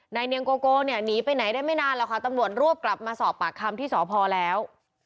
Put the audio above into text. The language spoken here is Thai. เนียงโกโกเนี่ยหนีไปไหนได้ไม่นานหรอกค่ะตำรวจรวบกลับมาสอบปากคำที่สพแล้ว